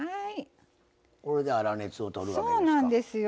これで粗熱を取るわけですか。